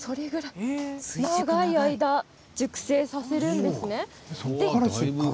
長い間熟成させるんですね。